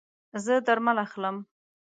زه درمل اخلم